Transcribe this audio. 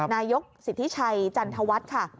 นายกสิทธิชัยจันทวัตร